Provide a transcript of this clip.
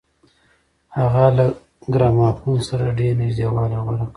هغه له ګرامافون سره ډېر نږدېوالی غوره کړ